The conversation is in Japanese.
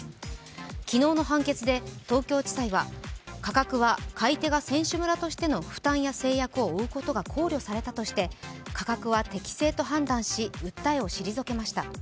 昨日の判決で東京地裁は、価格は買い手が選手村としての負担や制約を負うことが考慮されたとして価格は適正と判断し、訴えを退けました。